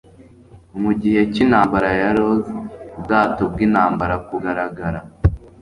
mu gihe cy'intambara ya rose, ubwato bw'intambara kugaragara